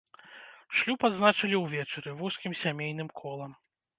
Шлюб адзначалі ўвечары вузкім сямейным колам.